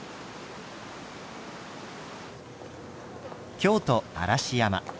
京都・嵐山。